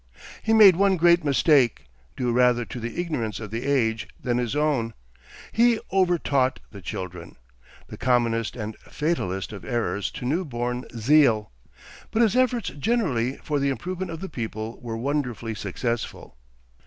He made one great mistake, due rather to the ignorance of the age than his own: he over taught the children the commonest and fatalest of errors to new born zeal. But his efforts generally for the improvement of the people were wonderfully successful.